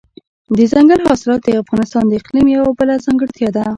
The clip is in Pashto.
دځنګل حاصلات د افغانستان د اقلیم یوه بله ځانګړتیا ده.